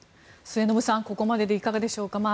末延さん、ここまででいかがでしょうか。